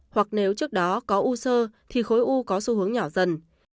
hoặc nếu trước đó có u sơ thì khối u có xu hướng nhỏ dần